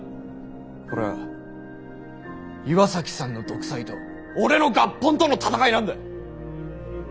これは岩崎さんの独裁と俺の合本との戦いなんだ。